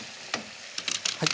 はい。